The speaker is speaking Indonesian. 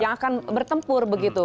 yang akan bertempur begitu